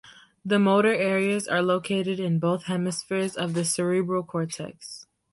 The motor areas are located in both hemispheres of the cerebral cortex.